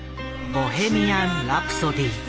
「ボヘミアン・ラプソディ」。